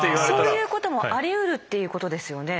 そういうこともありうるっていうことですよね？